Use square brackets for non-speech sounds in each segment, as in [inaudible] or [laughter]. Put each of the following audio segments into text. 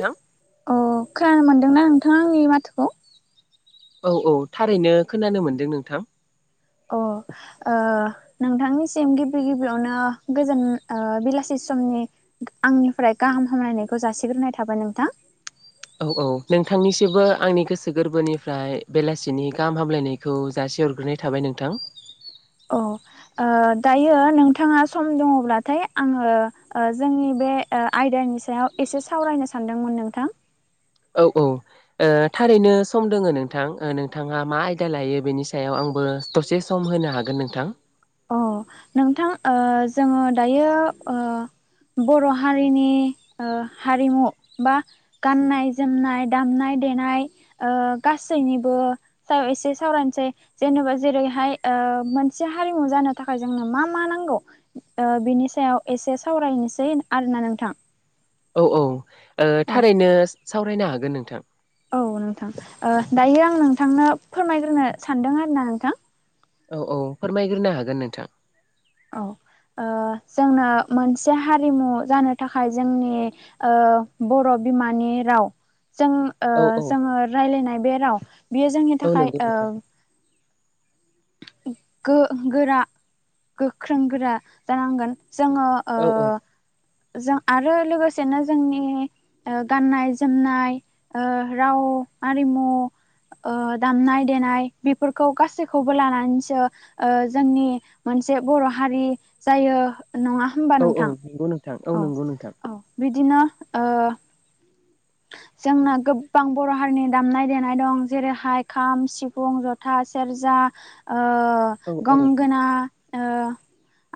Hello अ खोनानो मोनदोंना नोंथाङा आंनि माथोखौ? औ औ थारैनो खोनानो मोनदों नोंथां। अ ओ नोंथांनिसिम गिबि गिबियावनो गोजोन ओ बेलासि समनि आंनिफ्राय गाहाम हामलायनायखौ जासिग्रोनाय थाबाय नोंथां। औ औ नोंथांनिसिमबो आंनि गोसो गोरबोनिफ्राय बेलासिनि गाहाम हामलायनाय खौ जासे हरग्रोनाय थाबाय नोंथां। अ ओ दायो नोंथाङा सम दङब्लाथाय आङो जोंनि बे ओ आयदानि सायाव एसे सावरायनो सानदोंमोन नोंथां औ औ। थारैनो सम दोङो नोंथां नोंथाङा मा आयदा लायो बेनि सायाव आंबो दसे सम होनो हागोन नोंथां। अ नोंथां जोङो दायो ओ बर' हारिनि ओ हारिमु बा गाननाय-जोमनाय, दामनाय-देनाय गासैनिबो सायाव एसे सावरायनोसै जेनेबा जेरैहाय ओ मोनसे हारिमु जानो थाखाय जोंनो मा मा नांगौ? बिनि सायाव एसे सावरायनोसै आरोना नोंथां? औ औ औ थारैनो सावरायनो हागोन नोंथां। औ नोंथां दायो आं नोंथांनो फोरमायग्रोनो सानदों आरो ना नोंथां। औ औ फोरमायग्रोनो हागोन नोंथां। औ जोंनो मोनसे हारिमु जानो थाखाय जोंनि। बर' बिमानि राव जा औ औ जोङो रायलायनाय बे राव बियो जोंनि औ थाखाय। नंगौ नोंथां गोरा गोख्रों गोरा जानांगोन जोङो। ओ औ। जों आरो लोगोसेनो जोंनि गाननाय-जोमनाय ओ राव आरिमु ओ दामनाय देनाय बेफोरखौ गासैखौबो लानानै जोंनि मोनसे बर' हारि जायो नङा। होमबा औ औ नोंथां? नंगौ। नोंथां औ नंगौ नोंथां औ बिदिनो जोंना गोबां बर' हारिनि दामनाय-देनाय दं जेरैहाय खाम, सिफुं जथ जथा, सेरजा ओ औ औ गंगोना ओ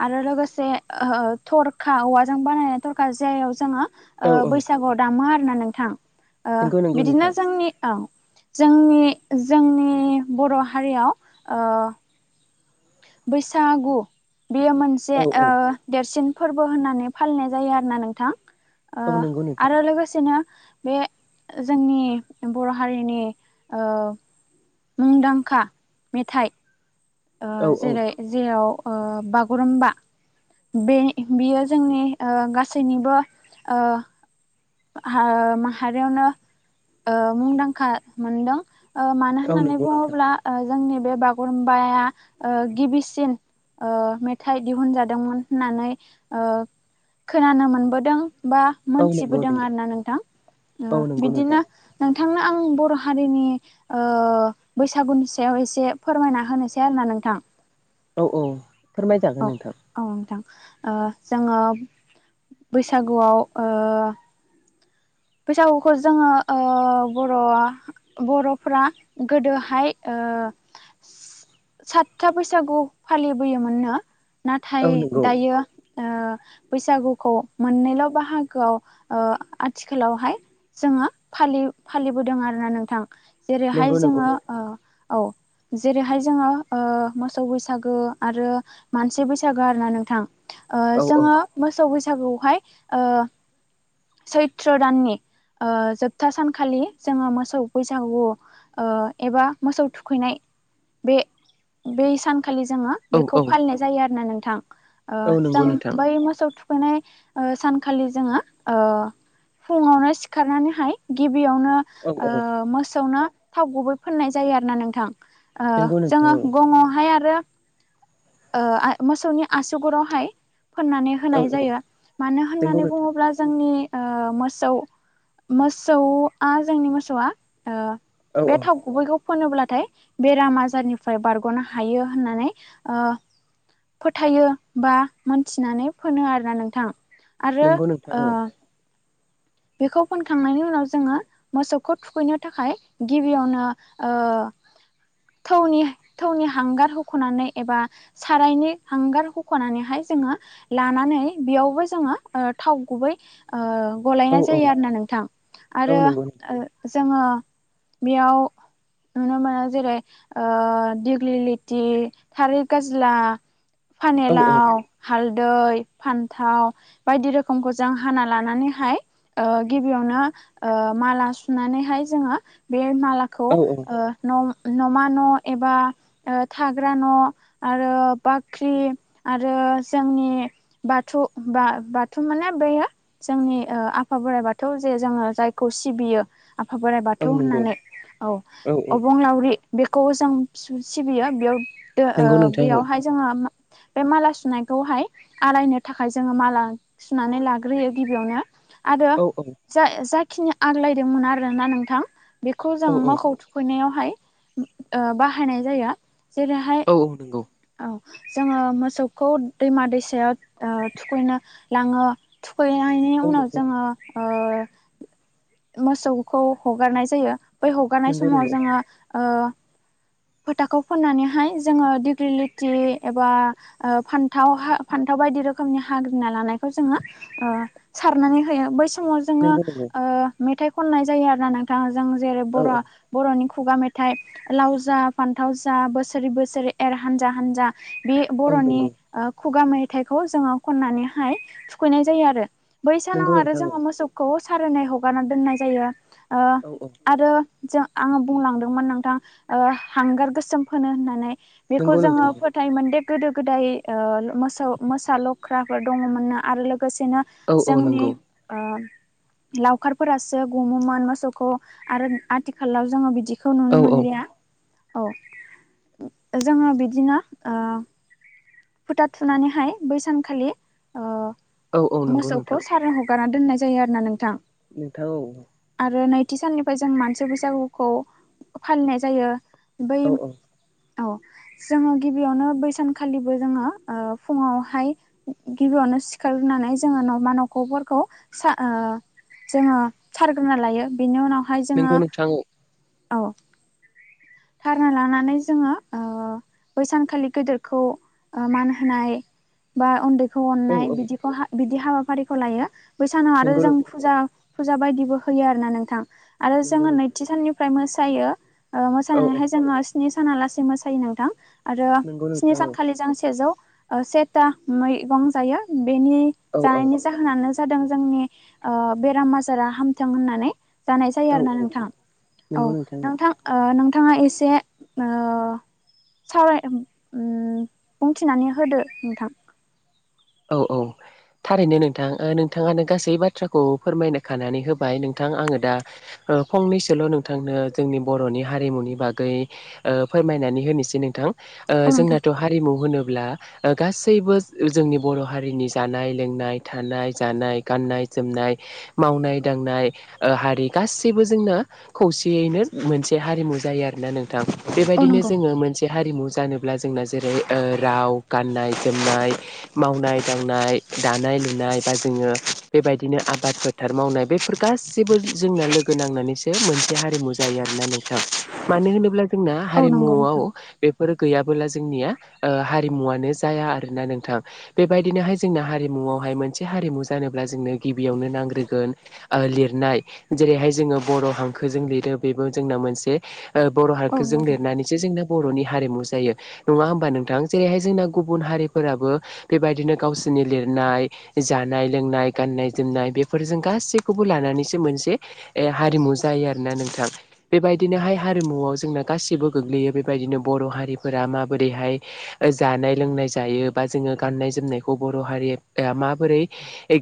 आरो लोगोसे ओ थरखा औवाजों बानायनाय थरखा जायाव जोङो। ओ औ बैसागुआव दामो आरोना नोंथां ओ नंगौ नंगौ बिदिनो नोंथां जोंनि औ। जोंनि जोंनि बर' हारियाव ओ बैसागु बेयो मोनसे औ औ ओ देरसिन फोरबो होननानै फालिनाय जायो आरोना नोंथां ओ औ नंगौ नोंथां आरो लोगोसेनो बे जोंनि बर' हारिनि ओ मुंदांखा मेथाइ ओ औ औ जेरै ओ जेयाव बागुरुम्बा बे बियो जोंनि ओ गासैनिबो माहारियावनो ओ मुंदांखा मोनदों। ओ मानो औ होननानै नंगौ नोंथां बुङोब्ला ओ जोंनि बे बागुरुम्बाया ओ गिबिसिन ओ मेथाइ दिहुनजादोंमोन होननानै ओ खोनानो मोनबोदों बा औ नंगौ मोनथिबोदों नंगौ आरोना नोंथां औ ओ नंगौ नोंथां बिदिनो। नोंथांनो आं बर' हारिनि बैसागुनि सायाव एसे फोरमायना होनोसै आरोना नोंथां। औ औ फोरमाय औ जागोन नोंथां। औ नोंथां ओ जोङो बैसागुआव ओ बैसागुखौ जोङो बर'आ बर'फ्रा गोदोहाय ओ सातथा बैसागु फालिबोयोमोननो औ नाथाय नंगौ दायो। ओ बैसागुखौ मोननैल' बाहागोआव ओ आ थिखालावहाय जोङोलि फा- फालिबोदों आरोना नोंथां जेरैहाय नंगौ नंगौ जोङो नोंथां ओ औ जेरैहाय ओ जोङो मोसौ बैसागो आरो मानसि बैसागो आरोना नोंथां ओ औ औ जोङो मोसौ बैसागो आवहाय ओ सैथ्र' ओ दाननि जोबथा सानखालि जोङो मोसौ बैसागो ओ एबा मोसौ थुखैनाय बे बै सानखालि जोङो औ औ बेखौ फालिनाय जायो आरोना नोंथां औ नंगौ जों नोंथां बै मोसौ थुखैनाय सानखालि जोङो ओ फुङावनो सिखारनानैहाय गिबियावनो औ ओ औ मोसौनो थाव गुबै फोननाय जायो आरोना नोंथां ओ नंगौ नोंथां जोङो गङावहाय आरो ओ मोसौनि आसुगुरावहाय फोननानै औ होनाय जायो मानो नंगौ होननानै नोंथां बुङोब्ला जोंनि ओ मोसौ मोसौआ जोंनि मोसौआ ओ औ बे औ थाव गुबैखौ फोनोब्लाथाय बेराम आजारनिफ्राय बारग'नो हायो होननानै ओ फोथायो बा मोनथिनानै फोनो आरोना नोंथां आरो नंगौ नोंथां ओ बेखौ फोनखांनायनि उनाव जोङो मोसौखौ थुखैनो थाखाय गिबियावनो ओ थौनि थौनि हांगार हुख'नानै एबा सारायनि हांगार होख'नानैहाय जोङो लानानै बेयावबो जोङो ओ थाव गुबै ओ गला औ औ जायो आरोना नोंथां औ आरो नंगौ नोंथां जोङो बेयाव नुनो मोनो जेरै दिगि लेथि थारै गाज्ला औ फानेलाव हालदै फान्थाव बायदि रोखोमखौ जों हाना लानानैहाय ओ गिबियावनो ओ माला सुनानैहाय जोङो बे मालाखौ औ ओ न' नमा न' एबा ओ थाग्रा न' आरो बाख्रि आरो जोंनि बाथु बा बाथु माने बेयो जोंनि ओ आ आफा बोराइ बाथौ जे जोङो जायखौ सिबियो आफा बोराइ औ बाथौ नंगौ होननानै औ अबंलावरि बेखौ जों सिबियो बेयाव दे नंगौ नोंथां औ बेयावहाय जोङो बे माला सुनायखौहाय आलायनो थाखाय जोङो माला सुनानै लाग्रोयो गिबियावनो आरो औ औ जा जाखिनि आग्लायदोंमोन आरोना नोंथां बेखौ जों औ मोखौ [unintelligible] सोनायावहाय बाहायनाय जाया जेरैहाय औ औ नंगौ औ जोङो मोसौखौ दैमा दैसायाव थुखैनो लाङो थुखैनायनि औ उनाव नंगौ जोङो नोंथां ओ मोसौखौ हगारनाय जायो बै हगारनाय नंगौ समाव नंगौ जोङो ओ फोथाखौ फुननानैहाय जोङो दिगिलिटि एबा फान्थाव फान्थाव बायदि रोखोमनि हाग्रि ना लानायखौ जोङो सारनानै बै समाव जोङो नंगौ नंगौ मेथाइ खननाय जायो आरोना नोंथाङा जों जेरै औ औ बर' बर'नि खुगा मेथाइ लाव जा फान्थाव जा बोसोरै बोसोरै एर हानजा हानजा बे औ बर'नि नंगौ खुगा मेथाइखौ जोङो खननानैहाय थुखैनाय जायो आरो बे नंगौ सानाव आरो नोंथां जोङो मोसौखौ सारायनाय हगारना दोननाय जायो ओ औ औ आरो जों आङो बुंलांदोंमोन नोंथां हांगार गोसोम फोनो होननानै बेखौ नंगौ जोङो नोंथां फो फोथायोमोन दि गोदो गोदाय मोसौ मोसा लख्राफोर दङमोननो आरो लोगोसेनो औ औ जोंनि नंगौ ओ लावखारफोरासो गुमोमोन मोसौखौ आरो आथिखालाव जोङो बिदिखौ नुनो औ औ मोनलिया औ जोङो बिदिनो ओ फोथा थुनानैहाय बै सानखालि ओ औ औ नोंगौ मोसौखौ नोंथां। सारोन हगारना दोननाय जायो आरोना नोंथां। नोंथां औ। आरो नैथि साननिफाय जों मानसि बैसागुखौ फालिनाय जायो। बै औ औ औ। जोङो गिबियावनो बैसानखालिबो जोङो ओ फुङावहाय गिबियावनो सिखारनानै जोङो नाव मा न'खौफोरखौ सा ओ जोङो सारग्रोना लायो बिनि उनाव हाय जोङो नंगौ नोंथां औ औ। थारना लानानै जोङो ओ बै सानखालि गोदेरखौ ओ मान होनाय बा उन्दैखौ औ अननाय औ बिदिखौ हा बिदि हाबाफारिखौ लायो। बै सानाव आरो नंगौ जों नोंथां औ फुजा फुजा बायदिबो होयो आरो ना नोंथां आरो नंगौ जोङो नोंथां नैथि साननिफ्राय मोसायो। ओ औ औ मोसानानैहाय जोंहा स्नि साना लासेै मोसायो नोंथां। आरो नंगौ स्नि नोंथां औ सानखालि जों सेजौ ओ सेथा मैगं जायो। बेनि औ औ जानायनि जाहोनानो जादों जोंनि ओ बेराम आजारा हामथों होननानै। जानाय जायो औ आरो ना औ नोंथाङा औ नोंथां ओ नोंथाङा एसे ओ सावराय उम बुंथिनानै होदो नोंथां। औ औ। थारैनो नोंथां। ओ नोंथाङानो गासै बाथ्राखौ फोरमायनो खानानै होबाय। नोंथां आङो दा ओ फंनैसोल' नोंथांनो जोंनि बर'नि हारिमुनि बागै ओ फोरमायनानै होनिसै नोंथां। ओ औ नोंथां जोंनाथ' हारिमु होनोब्ला गासैबो जोंनि बर' हारिनि जानाय लोंनाय थानाय जानाय गाननाय जोमनाय मावनाय दांनाय ओ हारि गासिबो जोंना खौसेयैनो मोनसे हारिमु जायो आरोना नोंथां। औ बेबायदिनो नंगौ जोङो मोनस से हारिमु जानोब्ला जोंना जेरै ओ राव गाननाय जोमनाय मावनाय दांनाय दानाय लुनाय बा जोङो बेबायदिनो आबाद फोथार मावनाय बेफोर गासैबो जोंना लोगो नांनानैसो मोनस से हारिमु जायो आरोना नोंथां। मानो होनोब्ला जोंना औ नंगौ हारिमुआव नोंथां बेफोर गैयाबोला जोंनिया ओ हारिमुवनो जाया आरोना नोंथां। बेबायदिनोहाय जोंना हारिमुआवहाय मोनसे हारिमु जानोब्ला जोंनो गिबियावनो नांग्रोगोन ओ लिरनाय जेरैहाय जोङो बर' हांखोजों लिरो बेबो जोंना मोनसे ओ बर' औ हारिखौ जों नंगौ नोंथां लिरनानै से जोंना बर'नि हारिमु जायो। नङा होमबा नोंथां? जेरैहाय जोंना गुबुन हारिफोराबो बेबायदिनो गावसोनि लिरनाय जानाय लोंनाय गाननाय जोमनाय बेफोरजों गासैखौबो लानानैसो मोनसे ए हारिमु जायो आरोना नोंथां। बेबायदिनोहाय हारिमुआव जोंना गासिबो गोग्लैयो। बेबायदिनो बर' हारिफोरा माबोरैहाय जानाय लोंनाय जायो बा जोङो गाननाय जोमनायखौ बर' हारिया माबोरै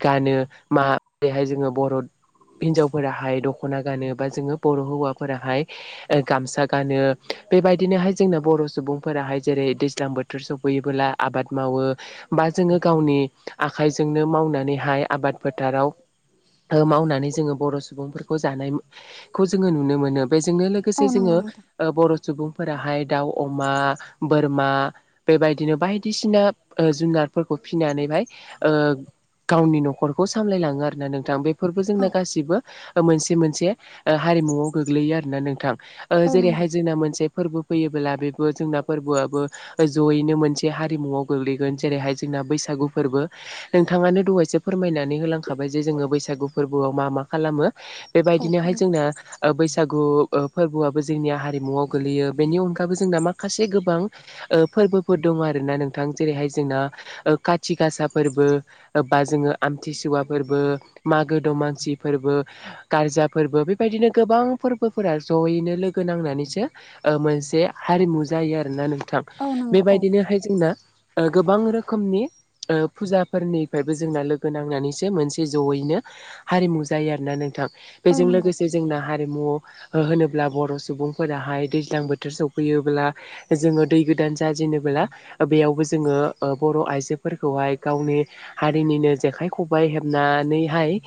गानो मा बेहाय जोङो बर' हिनजावफोराहाय दख'ना गानो बा जोङो बर' हौवाफोराहाय ओ गामसा गानो। बेबायदिनोहाय जोंना बर' सुबुंफोराहाय जेरै दैज्लां बोथ थोर सौफैयोबोला आबाद मावो बा जोङो गावनि आखाइजोंनो मावनानैहाय आबाद फोथाराव ओ मावनानै जोङो बर' सुबुंफोरखौ जानायखौ जोङो नुनो मोनो। बेजोंनो लोगो औ से जोङो नंगौ नोंथां ओ बर' सुबुंफोराहाय दाउ अमा बोरमा बेबायदिनो बायदिसिना ओ जुनारफोरखौ फिनानैहाय ओ गावनि न'खरखौ सामलायलाङो आरोना नोंथां। बे फोरबो औ जोंना गासिबो मोनसे मोनसे ओ हारिमुआव गोग्लैयो आरोना नोंथां। औ नंगौ जेरैहाय जोंना मोनसे फोरबो फैयोब्ला बेबो जोंना फोरबोआबो जयैनो मोनसे हारिमुआव गोग्लैगोन जेरैहाय जोंना बैसागु फोरबो। नोंथाङानो दहायसो फोरमायनानै होलांखाबाय जे जोङो बैसागु फोरबोआव मा मा खालामो। औ बेबायदिनोहाय नंगौ जोंना बैसागु फोरबोआबो जोंनिया हारिमुवआव गोगलैयो बेनि अनगायैबो जोंना माखासे गोबां फोरबोफोर दङ आरोना नोंथां जेरैहाय जोंना खाथि गासा फोरबो। बा जोङो आमथिसुवा फोरबो मागो दमासि फोरबो। गारजा फोरबो बेबायदिनो गोबां फोरबोफोरा जयैनो लोगो नांनानैसो ओ मोनसे हारिमु जायो आरोना नोंथां औ नंगौ औ बेबायदिनोहाय जोंना ओ गोबां रोखोमनि ओ फुजाफोरनिफ्रायबो जोंना लोगो नांनानैसो मोनसे ज'यैनो हारिमु जायो आरोना नोंथां औ बेजों नंगौ लोगोसे। जोंना हारिमु होनोब्ला बर' सुबुंफोराहाय दैज्लां बोथोर सफैयोब्ला जोङो दै गोदान जाजेनोबोला बेयावबो जों जोङो बर' आइजोफोरखौहाय गावनि हारिनिनो जेखाइ, ‌ खबाइ हेबनानैहाय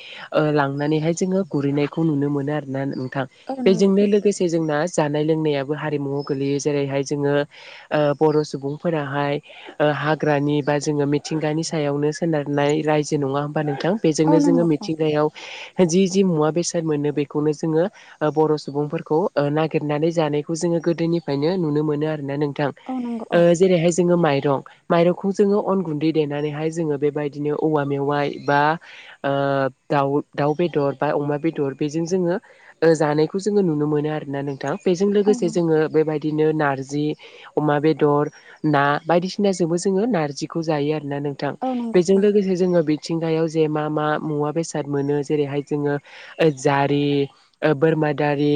लांनानैहाय जोङो गुरैनायखौ नुनो मोनो आरो ना नोंथां औ नंगौ बेजोंनो लोगोसे जोंना जानाय लोंनायाबो हारिमुाव गोलैयो जेरैहाय जोङो बर' सुबुंफोराहाय हाग्रानि बा जोङो मिथिंगानि सायावनो सोनारनाय रायजो नङा होमबा नोंथां। औ बेजोंनो जोङो नंगौ औ मिथिंगायाव जि जि मुवा बेसाद मोनो बेखौनो जोङो ओ बर' सुबुंफोरखौ नागिरनानै जानायखौ जोङो गोदोनिफ्रायनो नुनो मोनो आरोना नोंथां ओ औ नंगौ औ जेरैहाय जोङो माइरं माइरं माइरंखौ जोङो अन गुन्दै देनानैहाय जोङो बेबायदिनो औवा मेवाइ बा ओ दाव दाव बेदर बा अमा बेदर बेजों जोङो ओ जानायखौ जोङो नुनो मोनो आरोना नों बेजों औ लोगोसे नंगौ जोङो बेबायदिनो नारजि अमा बेदर ना बायदिसिना सिना जोंबो जोङो नारजिखौ जायो आरोना नोंथां औ नंगौ बेजों औ लोगोसे जोङो मिथिंगायाव जे मा मा मुवा बेसाद मोनो जेरैहाय जोङो। जारि, बोरमा दारि,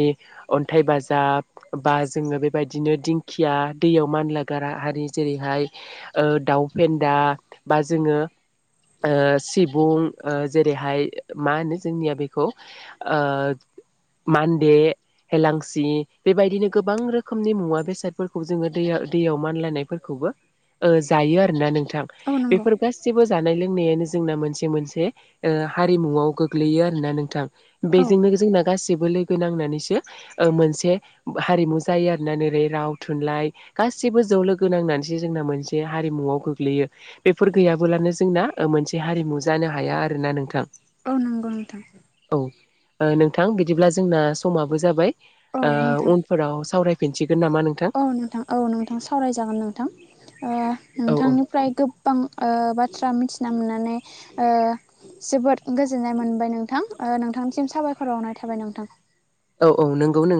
अन्थाइ बाजाब बा जोङो बेबायदिनो दिंखिया दैयाव मानलागारा हारि जेरैहाय दाउ फेन्दा बा जोङो सिबुं जेरैहाय मा होनो जोंनिया बेखौ आ मानदे हेलांसि बेबायदिनो गोबां रोखोमनि मुवा बेसादफोरखौ जोङो दै दैयाव मानलायनायफोरखौबो जायो आरो ना नोंथां औ बेफोर गासिबो जानाय लोंनायानो जोंना मोनसे मोनसे हारिमुआव गोग्लैयो आरोना नोंथां। बेजोंनो जोंना गासैबो लोगो नांनानैसो मोनसे हारिमु जायो आरोना नोरै राव थुनलाइ गासैबो ज लोगो नांनानैसो जे जोंना मोनसे हारिमुआव गोग्लैयो। बेफोर गैयाबोलानो जोंना मोनसे हारिमु जानो हाया आरोना नोंथां। औ नंगौ नोंथां। औ नोंथां बिदिब्ला जोंना समाबो जाबाय। औ नंगौ नोंथां उनफोराव सावरायफिनसिगोन नामा नोंथां। औ नोंथां सावरायजागोन नोंथां औ औ नोंथांनो फ्राय गोबां बाथ्रा ओ मिथिना मोननानै ओ जोबोद गोजोननाय मोनबाय नोंथां नोंथांनिसिम साबायखर बावनाय थाबाय नोंथां। औ औ नंगौ नों